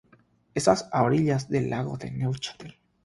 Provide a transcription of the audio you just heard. Está a orillas del lago de Neuchâtel.